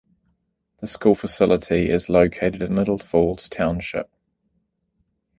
The school facility is located in Little Falls Township.